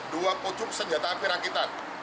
dua pucuk senjata api rakitan